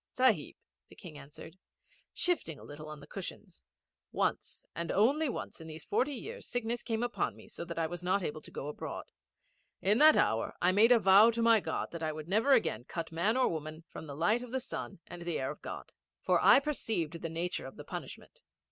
'Sahib,' the King answered, shifting a little on the cushions, 'once and only once in these forty years sickness came upon me so that I was not able to go abroad. In that hour I made a vow to my God that I would never again cut man or woman from the light of the sun and the air of God; for I perceived the nature of the punishment.